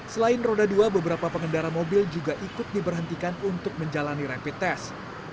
selain roda dua beberapa pengendara mobil juga ikut diberhentikan untuk menjalani rapid test